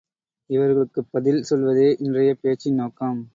இவர்களுக்குப் பதில் சொல்வதே இன்றையப் பேச்சின் நோக்கம்.